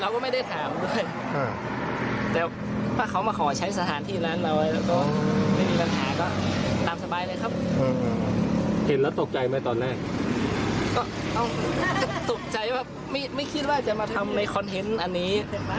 ก็อ้าวตกใจแบบไม่ไม่คิดว่าจะมาทำในคอนเทนต์อันนี้